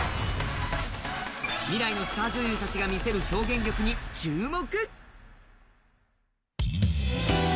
未来のスター女優たちが見せる表現力に注目！